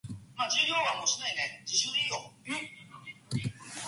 It has been divided into seven phases and each phase consists of sectors.